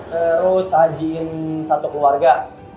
terus hajiin satu keluarga